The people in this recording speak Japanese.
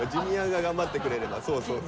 Ｊｒ．が頑張ってくれればそうそう。